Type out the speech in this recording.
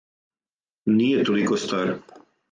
Није толико стар.